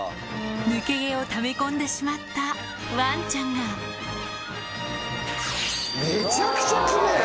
抜け毛をため込んでしまったワンちゃんがめちゃくちゃ奇麗！